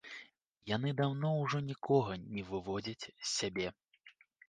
Яны даўно ўжо нікога не выводзяць з сябе.